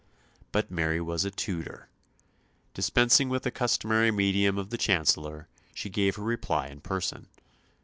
But Mary was a Tudor. Dispensing with the customary medium of the Chancellor, she gave her reply in person.